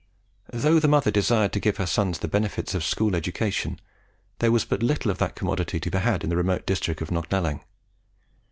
Though the mother desired to give her sons the benefits of school education, there was but little of that commodity to be had in the remote district of Knocknalling.